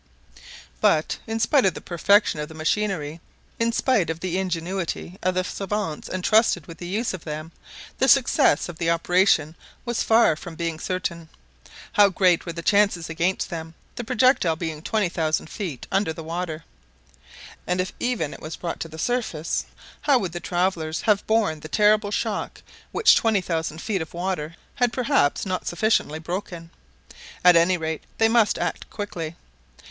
But in spite of the perfection of the machinery, in spite of the ingenuity of the savants entrusted with the use of them, the success of the operation was far from being certain. How great were the chances against them, the projectile being 20,000 feet under the water! And if even it was brought to the surface, how would the travelers have borne the terrible shock which 20,000 feet of water had perhaps not sufficiently broken? At any rate they must act quickly.